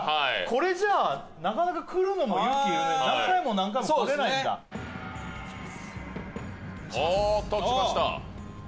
これじゃあなかなか来るのも勇気いるね何回も何回も来れないんだそうですねおっと来ました